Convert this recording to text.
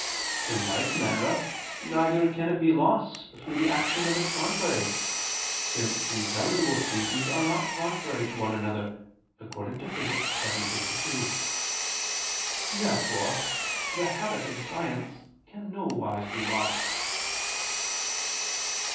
In like manner, neither can it be lost through the action of its contrary: since intelligible species are not contrary to one another (Metaph. vii, text. 52). Therefore the habit of science can nowise be lost.